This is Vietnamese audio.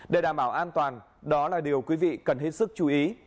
để đảm bảo an toàn đó là điều quý vị cần hết sức chú ý